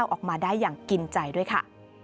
ออกมาได้อย่างกินใจด้วยค่ะ